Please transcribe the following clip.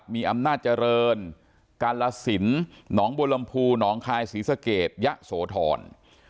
มีอำนาจเจริญกาลสินหนองบัวลำพูหนองคายศรีสะเกดยะโสธร